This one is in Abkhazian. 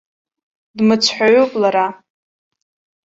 Дмыцҳәаҩуп лара!